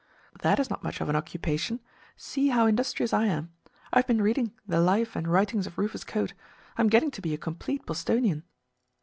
"That is not much of an occupation. See how industrious I am. I have been reading the 'Life and Writings of Rufus Choate.' I am getting to be a complete Bostonian."